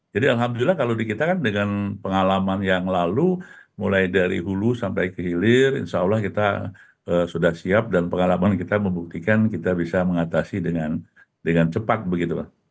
jadi alhamdulillah kalau di kita kan dengan pengalaman yang lalu mulai dari hulu sampai kehilir insya allah kita sudah siap dan pengalaman kita membuktikan kita bisa mengatasi dengan cepat begitu pak